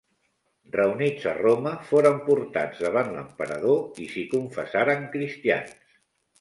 Reunits a Roma, foren portats davant l'emperador i s'hi confessaren cristians.